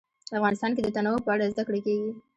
افغانستان کې د تنوع په اړه زده کړه کېږي.